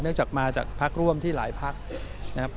จากมาจากพักร่วมที่หลายพักนะครับ